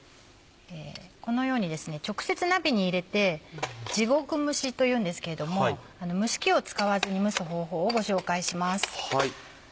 このようにですね直接鍋に入れて「地獄蒸し」というんですけれども蒸し器を使わずに蒸す方法をご紹介します。